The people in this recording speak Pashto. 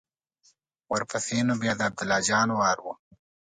ورپسې نو بیا د عبدالله جان وار و.